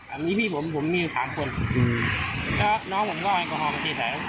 อันนี้พี่ผมผมมีอยู่๓คนแล้วน้องผมก็เอาแอลกอฮอล์มาเทใส่